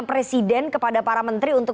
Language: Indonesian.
presiden kepada para menteri untuk